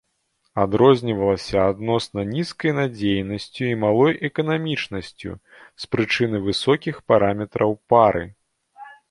Адрознівалася адносна нізкай надзейнасцю і малой эканамічнасцю, з прычыны высокіх параметраў пары.